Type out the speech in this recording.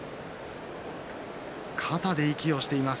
肩で息をしています。